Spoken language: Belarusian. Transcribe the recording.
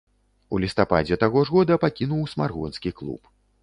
У лістападзе таго ж года пакінуў смаргонскі клуб.